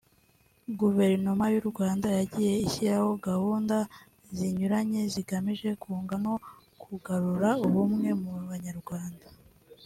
Guverinoma y’u Rwanda yagiye ishyiraho gahunda zinyuranye zigamije kunga no kugarura ubumwe mu Banyarwanda